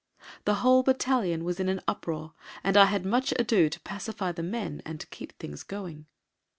The whole battalion was in an uproar, and I had much ado to pacify the men and keep things going.